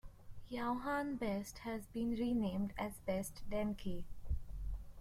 Yaohan Best has been renamed as Best Denki.